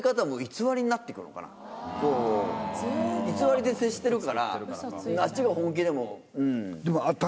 偽りで接してるからあっちが本気でも。